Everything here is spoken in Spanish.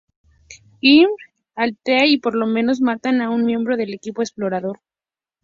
Hieren a Teal'c y por lo menos matan a un miembro del equipo explorador.